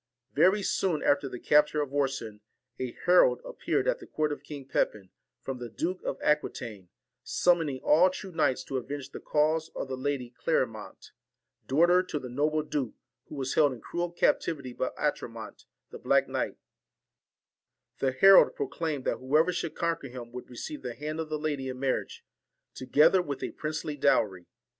Very soon after the capture of Orson, a herald appeared at the court of King Pepin, from the Duke of Aquitaine, summoning all true knights to avenge the cause of the Lady Clerimont, daughter to the noble duke, who was held in cruel captivity by Atramont, the black knight: the herald pro claimed that whoever should conquer him would receive the hand of the lady in marriage, together with a princely dowry.